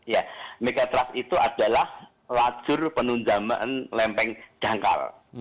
ya megatras itu adalah lajur penunjaman lempeng dangkal